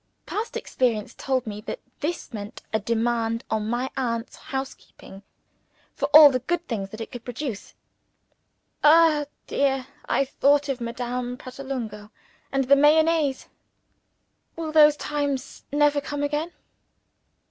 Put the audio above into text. Past experience told me that this meant a demand on my aunt's housekeeping for all the good things that it could produce. (Ah, dear! I thought of Madame Pratolungo and the Mayonnaise. Will those times never come again?)